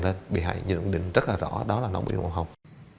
nhận định rất là rõ đó là nó bị hoàng hồng